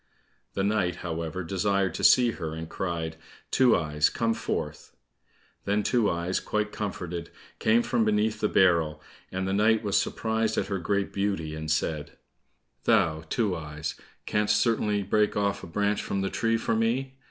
The knight, however, desired to see her, and cried, "Two eyes, come forth." Then Two eyes, quite comforted, came from beneath the barrel, and the knight was surprised at her great beauty, and said, "Thou, Two eyes, canst certainly break off a branch from the tree for me."